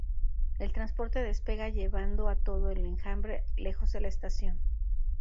El transporte despega llevando a todo el enjambre lejos de la estación.